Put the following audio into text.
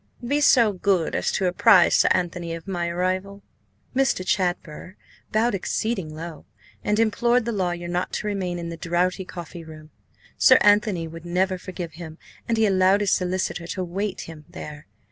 Be so good as to apprise Sir Anthony of my arrival." Mr. Chadber bowed exceeding low, and implored the lawyer not to remain in the draughty coffee room. Sir Anthony would never forgive him an he allowed his solicitor to await him there.